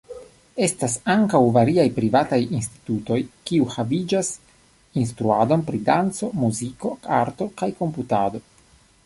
Estas ankaŭ variaj privataj institutoj kiuj havigas instruadon pri danco, muziko, arto kaj komputado.